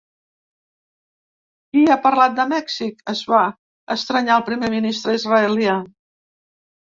Qui ha parlat de Mèxic?, es va estranyar el primer ministre israelià.